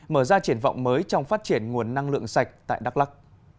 mở ra triển vọng mới trong phát triển nguồn năng lượng sạch tại đắk lắc